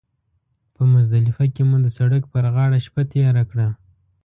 په مزدلفه کې مو د سړک پر غاړه شپه تېره کړه.